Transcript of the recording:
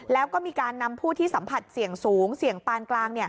แล้วก็มีการนำผู้ที่สัมผัสเสี่ยงสูงเสี่ยงปานกลาง